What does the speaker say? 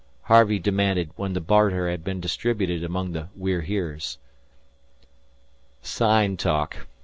Harvey demanded when the barter had been distributed among the We're Heres. "Sign talk!"